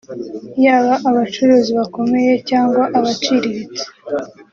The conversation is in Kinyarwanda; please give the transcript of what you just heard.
yaba abacuruzi bakomeye cyangwa abaciriritse